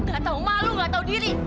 gak tahu malu nggak tahu diri